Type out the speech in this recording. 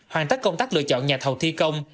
hoàn tất công tác lựa chọn nhà thầu thi công